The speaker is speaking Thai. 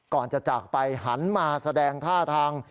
ก่อนจะจากไปหันมาแสดงท่าทาง